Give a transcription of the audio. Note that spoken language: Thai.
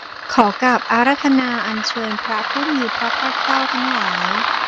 ขอกราบอาราธนาอัญเชิญพระผู้มีพระภาคเจ้าทั้งหลาย